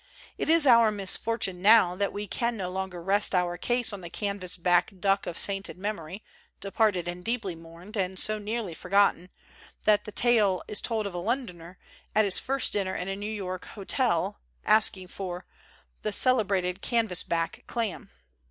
It is our misfortune now that we can no longer rest our case on the canvas back duck of sainted memory, departed and deeply mourned and so nearly forgotten that the tale is told of a Londoner, at his first dinner in a New York hotel, asking for "the celebrated can vas back clam."